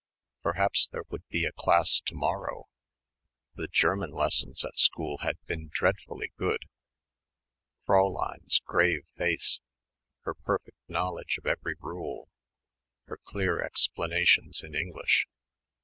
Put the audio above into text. Perhaps there would be a class to morrow.... The German lessons at school had been dreadfully good.... Fräulein's grave face ... her perfect knowledge of every rule ... her clear explanations in English